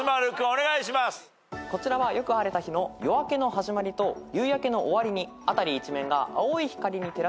こちらはよく晴れた日の夜明けの始まりと夕焼けの終わりに辺り一面が青い光に照らされる